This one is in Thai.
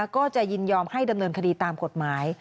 ก็จะยินยอมให้ดำเนินคดีตามกฎหมาย